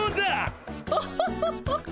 オホホホホ